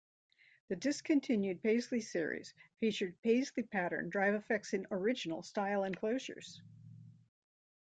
The discontinued Paisley series featured paisley-patterned drive effects in original style enclosures.